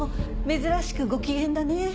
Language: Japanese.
珍しくご機嫌だね？